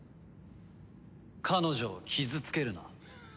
彼女を傷つけるな。